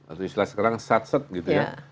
artinya sekarang sat set gitu ya